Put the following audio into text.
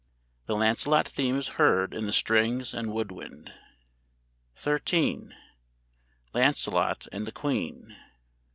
[The Lancelot theme is heard in the strings and wood wind.] XIII. "LANCELOT AND THE QUEEN."